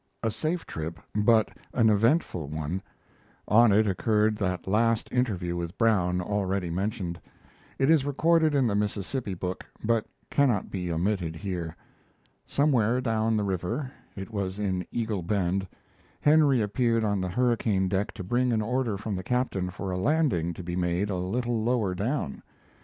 A safe trip, but an eventful one; on it occurred that last interview with Brown, already mentioned. It is recorded in the Mississippi book, but cannot be omitted here. Somewhere down the river (it was in Eagle Bend) Henry appeared on the hurricane deck to bring an order from the captain for a landing to be made a little lower down.